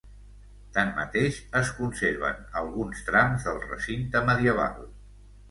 Tanmateix, es conserven alguns trams del recinte medieval.